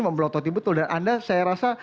membelototi betul dan anda saya rasa